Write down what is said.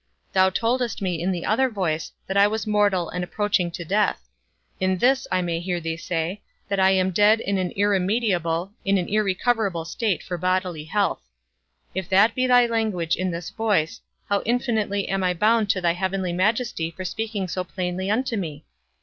Thou toldest me in the other voice that I was mortal and approaching to death; in this I may hear thee say that I am dead in an irremediable, in an irrecoverable state for bodily health. If that be thy language in this voice, how infinitely am I bound to thy heavenly Majesty for speaking so plainly unto me?